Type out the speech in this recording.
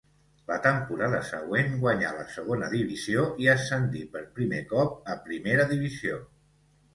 La temporada següent guanyà la segona divisió i ascendí per primer cop a primera divisió.